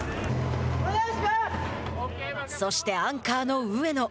そして、アンカーの上野。